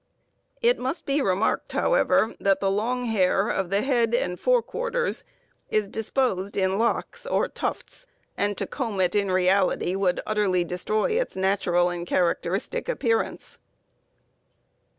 It must be remarked, however, that the long hair of the head and fore quarters is disposed in locks or tufts, and to comb it in reality would utterly destroy its natural and characteristic appearance.